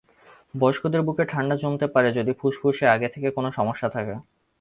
বয়স্কদের বুকে ঠান্ডা জমতে পারে যদি ফুসফুসে আগে থেকে কোনো সমস্যা থাকে।